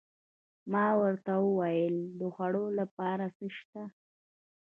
ما ورته وویل: د خوړو لپاره څه شته؟